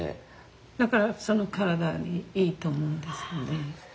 だからその体にいいと思うんですよね。